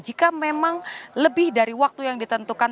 jika memang lebih dari waktu yang ditentukan